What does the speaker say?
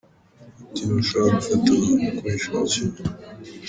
Ati :”Ntushobora gufata abantu uko wishakiye.